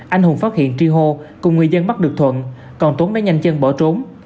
anh hùng phát hiện tri hô cùng người dân bắt được thuận còn tuấn đã nhanh chân bỏ trốn